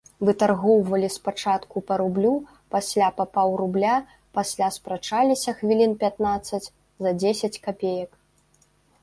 Вытаргоўвалі спачатку па рублю, пасля па паўрубля, пасля спрачаліся хвілін пятнаццаць за дзесяць капеек.